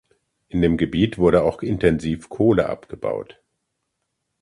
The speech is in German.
In dem Gebiet wurde auch intensiv Kohle abgebaut.